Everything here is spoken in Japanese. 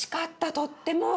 とっても。